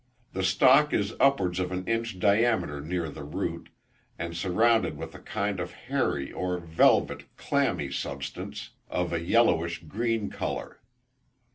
The stalk is upwards of an inch diameter near the root, and surrounded with a kind of hairy or velvet, clammy substance, of a yellowish green colour.